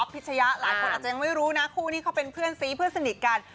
กับฟิชยะหลานคนอาจจะไม่รู้นะเป็นเพื่อนซีสนิทกัน